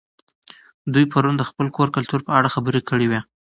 دوی پرون د خپل کلتور په اړه خبرې کړې وې.